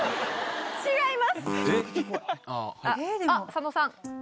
佐野さん。